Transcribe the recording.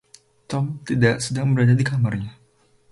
Tom tidak sedang berada di kamarnya.